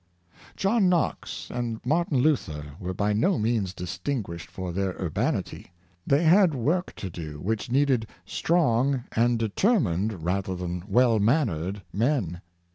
John Knox and Martin Luther were by no means distinguished for their urbanity. They had work to do which needed strong and determined rather than well mannered men.